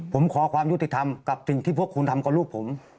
ผมขอความยุติธรรมกับสิ่งที่พวกคุณทำกับลูกผม